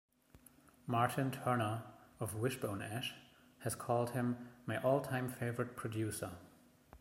Martin Turner of Wishbone Ash has called him "my all time favourite producer".